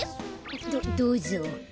どどうぞ。